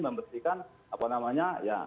membersihkan apa namanya ya